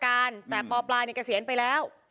อยู่ในราชการแต่ปอปรายในเกษียณไปแล้ว